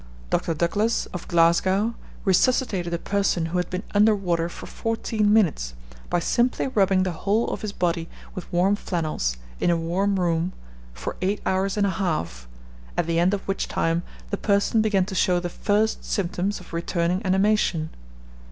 Dr. Douglas, of Glasgow, resuscitated a person who had been under water for fourteen minutes, by simply rubbing the whole of his body with warm flannels, in a warm room, for eight hours and a half, at the end of which time the person began to show the first symptoms of returning animation.